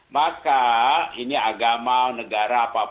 maka ini agama negara